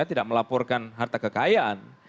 tidak melaporkan harta kekayaan